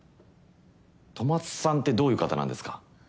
戸松さんってどういう方なんですか？